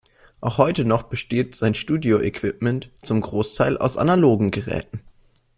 Auch heute noch besteht sein Studio-Equipment zum Großteil aus analogen Geräten.